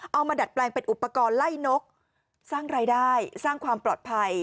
มาดัดแปลงเป็นอุปกรณ์ไล่นกสร้างรายได้สร้างความปลอดภัย